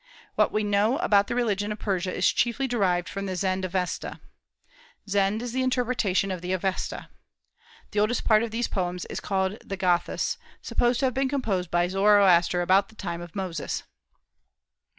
What we know about the religion of Persia is chiefly derived from the Zend Avesta. Zend is the interpretation of the Avesta. The oldest part of these poems is called the Gâthâs, supposed to have been composed by Zoroaster about the time of Moses.